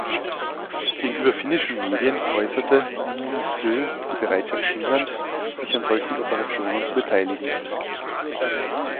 Gegenüber finnischen Medien äußerte Niinistö die Bereitschaft Finnlands, sich an solchen Operationen zu beteiligen.